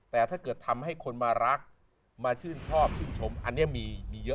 แต่ถ้าเกิดทำให้คนมารักมาชื่นชอบชื่นชมอันนี้มีเยอะ